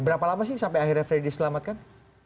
berapa lama sih sampai akhirnya freddy diselamatkan